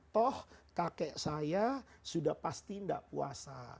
toh kakek saya sudah pasti tidak puasa